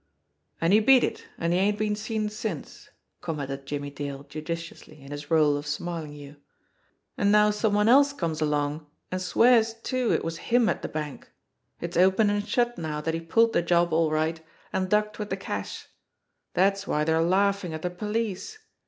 "And he beat it, and he ain't been seen since," commented Jimmie Dale judicially in his role of Smarlinghue. "And now some one else comes along and swears too it was him at the bank. It's open and shut now that he pulled the job all right, and ducked with the cash. That's why they're laughing at the police.